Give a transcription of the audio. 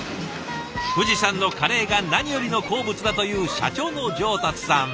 藤さんのカレーが何よりの好物だという社長の上達さん。